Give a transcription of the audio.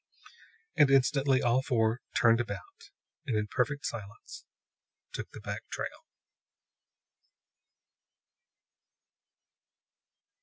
And instantly all four turned about, and in perfect silence took the back trail.